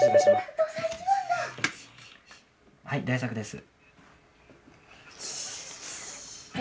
はい大作です。